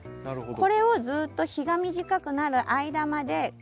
これをずっと日が短くなる間まで繰り返すの。